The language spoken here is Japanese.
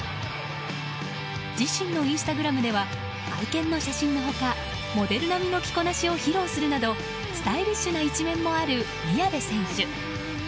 自身のインスタグラムでは愛犬の写真の他モデル並みの着こなしを披露するなどスタイリッシュな一面もある宮部選手。